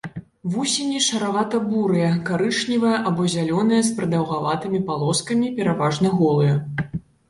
Вусені шаравата-бурыя, карычневыя або зялёныя з прадаўгаватымі палоскамі, пераважна голыя.